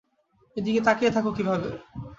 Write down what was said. এদিকে তাকিয়ে থাকে কীভাবে?